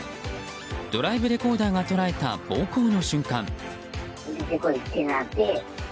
ドライブレコーダーが捉えた暴行の瞬間。